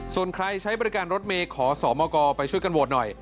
ส่วนใครใช้บริการรถเมย์ขอสมกไปช่วยกันโหวตหน่อย